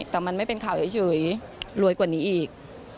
แต่มันไม่เป็นข่าวเฉยรวยกว่านี้อีก